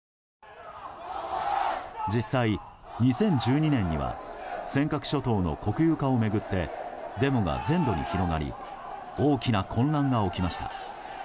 実際、２０１２年には尖閣諸島の国有化を巡ってデモが全土に広がり大きな混乱が起きました。